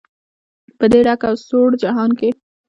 په دې ډک او سوړ جهان کې.